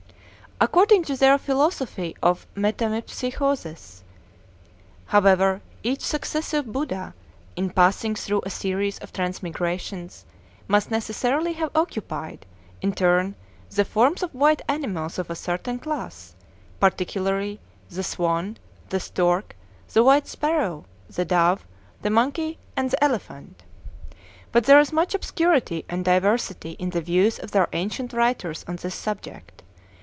According to their philosophy of metempsychosis, however, each successive Buddha, in passing through a series of transmigrations, must necessarily have occupied in turn the forms of white animals of a certain class, particularly the swan, the stork, the white sparrow, the dove, the monkey, and the elephant. But there is much obscurity and diversity in the views of their ancient writers on this subject.